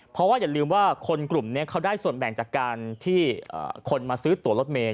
เพราะว่าอย่าลืมว่าคนกลุ่มนี้เขาได้ส่วนแบ่งจากการที่คนมาซื้อตัวรถเมย์